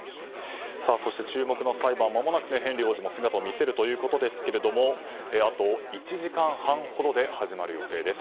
そして注目の裁判まもなくヘンリー王子も姿を見せるということですがあと１時間半ほどで始まる予定です。